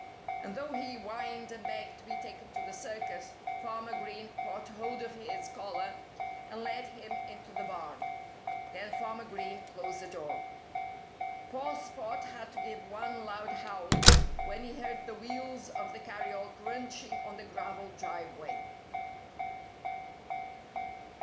And though he whined and begged to be taken to the circus, Farmer Green caught hold of his collar and led him into the barn. Then Farmer Green closed the door. Poor Spot had to give one loud howl when he heard the wheels of the carryall crunching on the gravel driveway.